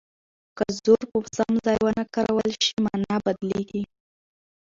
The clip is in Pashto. که زور په سم ځای ونه کارول شي مانا بدلیږي.